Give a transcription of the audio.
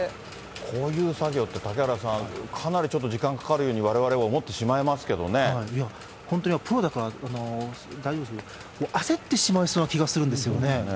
こういう作業って、嵩原さん、かなりちょっと時間かかるようにわれわれは思ってしまいますけどいや、本当にプロだから大丈夫でしょうけど、焦ってしまいそうな気がするんですよね。